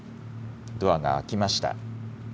ドアが開きました。